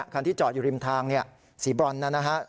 คันที่จอดอยู่ริมทางสีบรอนนะฮะ